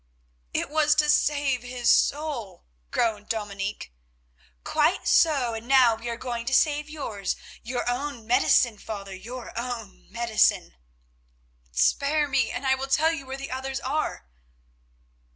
"It was to save his soul," groaned Dominic. "Quite so, and now we are going to save yours; your own medicine, father, your own medicine." "Spare me, and I will tell you where the others are."